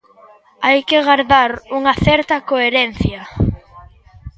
Hai que gardar unha certa coherencia.